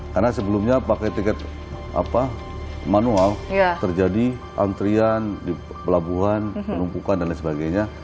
karena sebelumnya pakai tiket manual terjadi antrian di pelabuhan penumpukan dan lain sebagainya